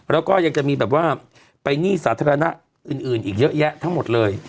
แล้วก็ยังจะมีแบบว่าไปหนี้สาธารณะอื่นอีกเยอะแยะทั้งหมดเลย